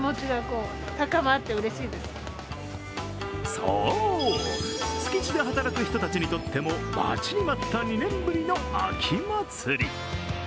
そう、築地で働く人たちにとっても、待ちに待った２年ぶりの秋まつり。